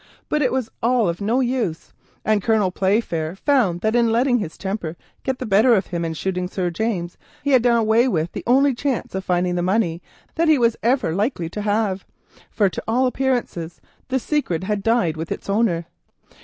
But it was all of no use, and Colonel Playfair found that in letting his temper get the better of him and shooting Sir James, he had done away with the only chance of finding it that he was ever likely to have, for to all appearance the secret had died with its owner.